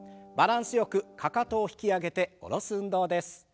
バランスよくかかとを引き上げて下ろす運動です。